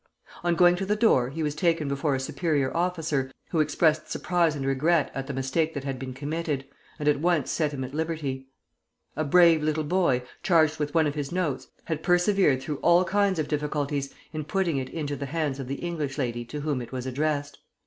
On going to the door he was taken before a superior officer, who expressed surprise and regret at the mistake that had been committed, and at once set him at liberty. A brave little boy, charged with one of his notes, had persevered through all kinds of difficulties in putting it into the hands of the English lady to whom it was addressed.